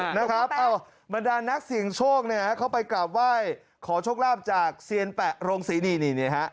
นะครับเอ้าบรรดานักเสี่ยงโชคเนี่ยฮะเขาไปกราบไหว้ขอโชคลาภจากเซียนแปะโรงศรีนี่นี่ฮะ